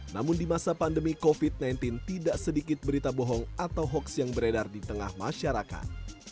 namun di masa pandemi covid sembilan belas tidak sedikit berita bohong atau hoaks yang beredar di tengah masyarakat